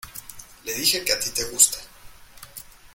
le dije que a ti te gusta